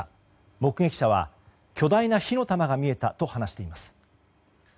目撃者は巨大な火の玉が見えたと話しています。